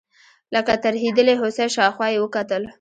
لکه ترهېدلې هوسۍ شاوخوا یې وکتل.